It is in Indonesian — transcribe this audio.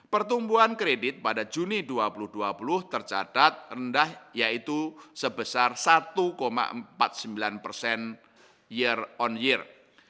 pertumbuhan kredit pada juni dua ribu dua puluh tercatat rendah yaitu sebesar satu empat puluh sembilan persen year on year